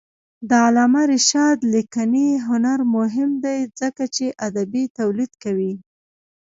د علامه رشاد لیکنی هنر مهم دی ځکه چې ادبي تولید کوي.